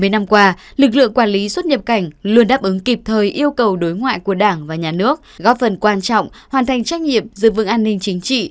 bảy mươi năm qua lực lượng quản lý xuất nhập cảnh luôn đáp ứng kịp thời yêu cầu đối ngoại của đảng và nhà nước góp phần quan trọng hoàn thành trách nhiệm giữ vững an ninh chính trị